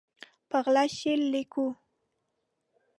په غلا شعر لیکو